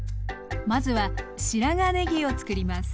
まずは白髪ねぎをつくります。